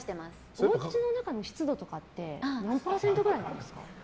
おうちの中の湿度とかって何パーセントくらいなんですか？